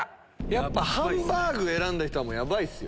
やっぱハンバーグ選んだ人はヤバいっすよ。